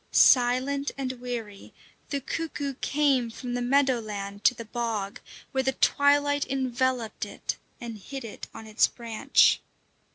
Silent and weary, the cuckoo came from the meadow land to the bog, where the twilight enveloped it and hid it on its branch.